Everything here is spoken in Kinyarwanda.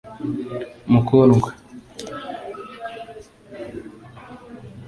mukundwa